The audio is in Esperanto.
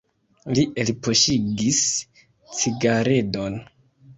Li elpoŝigis cigaredon.